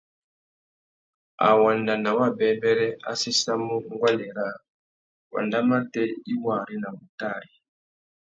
A wanda nà wabêbêrê, a séssamú nguêndê râā : wanda matê i wô arénamú tari ?